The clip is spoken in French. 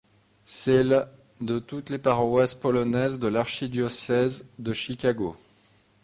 C'est l' de toutes les paroisses polonaises de l'archidiocèse de Chicago.